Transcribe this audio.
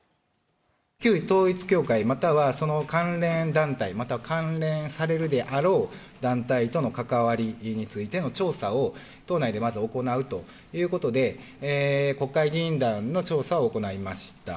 旧統一教会、またはその関連団体、または関連されるであろう団体との関わりについての調査を、党内でまず行うということで、国会議員団の調査を行いました。